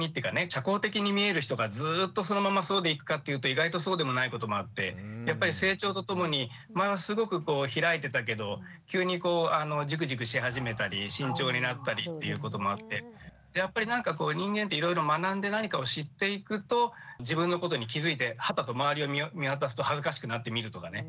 社交的に見える人がずっとそのままそうでいくかっていうと意外とそうでもないこともあってやっぱり成長とともに前はすごくこう開いてたけど急にこうジュクジュクし始めたり慎重になったりっていうこともあってやっぱりなんかこう人間っていろいろ学んで何かを知っていくと自分のことに気付いてはたと周りを見渡すと恥ずかしくなってみるとかね。